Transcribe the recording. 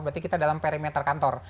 berarti kita dalam perimeter kantor